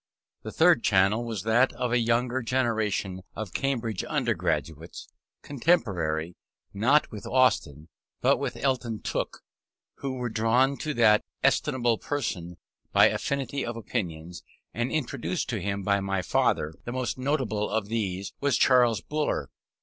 The third channel was that of a younger generation of Cambridge undergraduates, contemporary, not with Austin, but with Eyton Tooke, who were drawn to that estimable person by affinity of opinions, and introduced by him to my father: the most notable of these was Charles Buller.